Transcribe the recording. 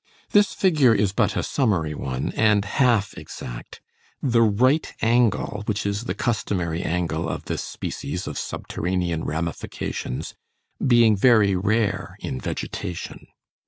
This figure is but a summary one and half exact, the right angle, which is the customary angle of this species of subterranean ramifications, being very rare in vegetation.